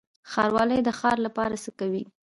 ښاروالي د ښار لپاره څه کوي؟